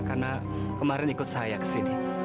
karena kemarin ikut saya ke sini